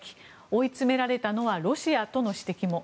追い詰められたのはロシアとの指摘も。